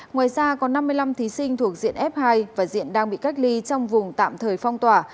ngoài ra còn năm mươi năm thí sinh thuộc diện f hai và diện đang bị cách ly trong vùng tạm thời phong tỏa